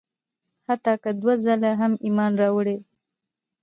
حتی که دوه ځله هم ایمان راوړي.